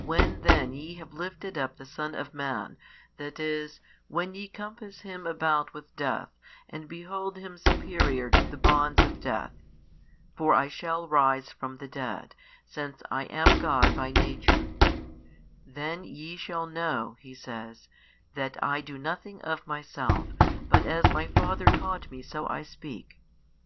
When then ye have lifted up the Son of man, that is, when ye compass Him about with death and behold Him superior to the bonds of death (for I shall rise from the dead, since I am God by Nature) then ye shall know (He says) that I do nothing of Myself but as My Father taught Me so I speak.